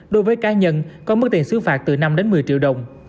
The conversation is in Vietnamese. đối với cá nhân có mức tiền xứ phạt từ năm đến một mươi triệu đồng